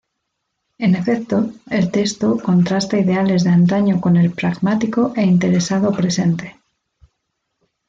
En efecto, el texto "contrasta ideales de antaño con el pragmático e interesado presente.